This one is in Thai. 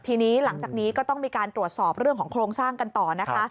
ทีนี้หลังจากนี้ก็ต้องมีการตรวจสอบเรื่องของโครงสร้างกันต่อนะคะ